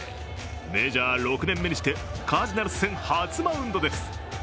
メジャー６年目にしてカージナルス戦初マウンドです。